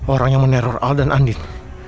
orang yang meneror al dan adit